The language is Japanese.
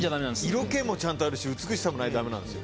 色気もちゃんとあるし美しさもないと駄目なんですよ。